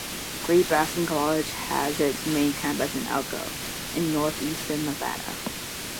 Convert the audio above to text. Great Basin College has its main campus in Elko, in northeastern Nevada.